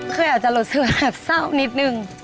เคยอาจจะหลดเสื้อแบบเศร้านิดหนึ่ง